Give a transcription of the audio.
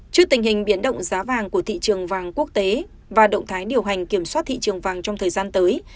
trước tình hình biến động giá vàng của thị trường vàng quốc tế và động thái điều hành kiểm soát thị trường vàng trong thời gian tới